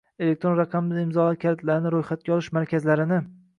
elektron raqamli imzolar kalitlarini ro‘yxatga olish markazlarini